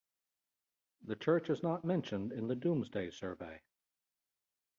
The church is not mentioned in the "Domesday" survey.